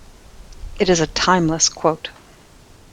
It is a timeless quote.